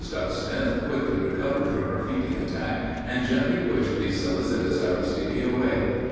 Ducksmith quickly recovered from her fainting attack, and gently pushed the solicitous Aristide away.